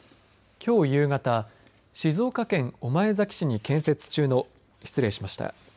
きょう夕方静岡県御前崎市に建設中の失礼しました。